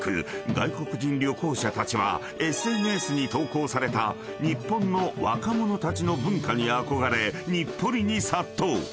外国人旅行者たちはＳＮＳに投稿された日本の若者たちの文化に憧れ日暮里に殺到］